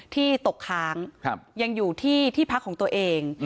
ที่ตกค้างยังอยู่ที่ที่พักของตัวเอง